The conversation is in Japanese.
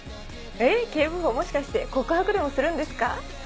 えっ警部補もしかして告白でもするんですか？